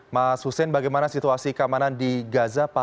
mas hussein bagaimana situasi keamanan di gaza pak